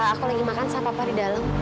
aku lagi makan sama papa di dalam